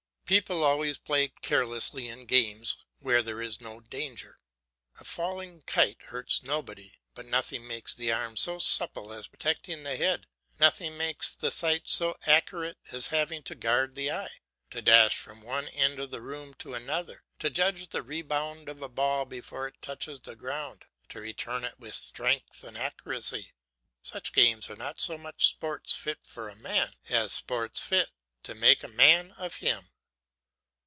People always play carelessly in games where there is no danger. A falling kite hurts nobody, but nothing makes the arm so supple as protecting the head, nothing makes the sight so accurate as having to guard the eye. To dash from one end of the room to another, to judge the rebound of a ball before it touches the ground, to return it with strength and accuracy, such games are not so much sports fit for a man, as sports fit to make a man of him.